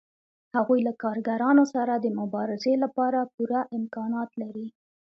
هغوی له کارګرانو سره د مبارزې لپاره پوره امکانات لري